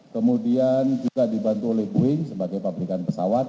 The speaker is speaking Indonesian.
kemudian juga dibantu oleh boeing sebagai pabrikan pesawat